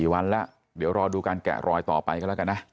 ๔วันแล้วเดี๋ยวรอดูการแกะรอยต่อไปกันแล้วกันนะ